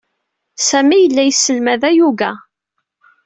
Sami yella yesselmad ayuga.